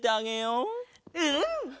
うん！